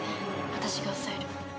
私が抑える。